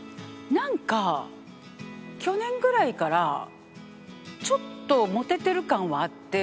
なんか去年ぐらいからちょっとモテてる感はあって。